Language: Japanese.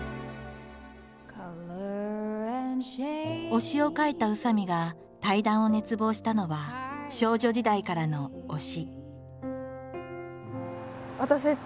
「推し」を書いた宇佐見が対談を熱望したのは少女時代からの「推し」。